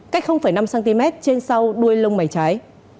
cách năm cm trên sau đuôi lông mảnh trái